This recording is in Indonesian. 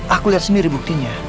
aku lihat sendiri buktinya